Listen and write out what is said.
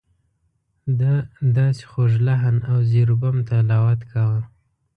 ده داسې خوږ لحن او زیر و بم تلاوت کاوه.